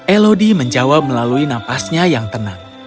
elodie menjawab melalui nafasnya yang tenang